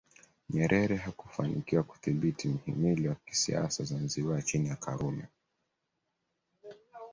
Nyerere hakufanikiwa kudhibiti mhimili wa kisiasa Zanzibar chini ya Karume